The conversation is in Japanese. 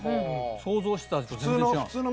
想像してた味と全然違うの。